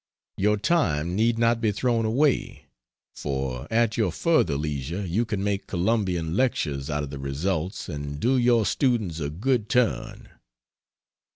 Your time need not be thrown away, for at your further leisure you can make Colombian lectures out of the results and do your students a good turn.